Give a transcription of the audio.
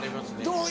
どう？